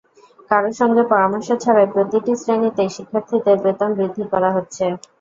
কারও সঙ্গে পরামর্শ ছাড়াই প্রতিটি শ্রেণিতে শিক্ষার্থীদের বেতন বৃদ্ধি করা হচ্ছে।